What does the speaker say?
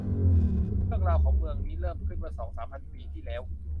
เรื่องราวของเมืองนี้เริ่มขึ้นเมื่อสองสามพันปีที่แล้ว